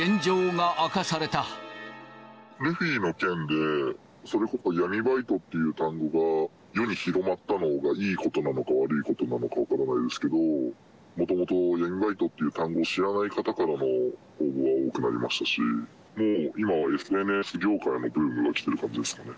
ルフィの件で、それこそ闇バイトっていう単語が、世に広まったのがいいことなのか、悪いことなのか分からないですけど、もともと闇バイトっていう単語を知らない方からも、応募が多くなりましたし、もう今は、ＳＮＳ業界にブームが来ている感じですかね。